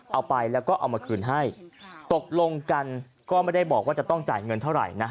เอาไปแล้วก็เอามาคืนให้ตกลงกันก็ไม่ได้บอกว่าจะต้องจ่ายเงินเท่าไหร่นะ